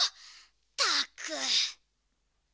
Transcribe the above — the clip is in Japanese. ったく」。